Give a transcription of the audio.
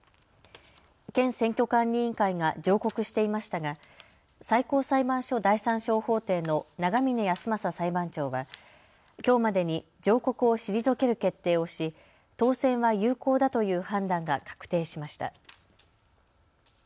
県選挙管理委員会が上告していましたが最高裁判所第３小法廷の長嶺安政裁判長はきょうまでに上告を退ける決定をし当選は有効だという判断が確定しました。